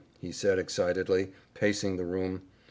he said excitedly, pacing the room.